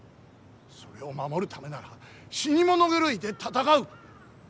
それを守るためなら死に物狂いで戦う。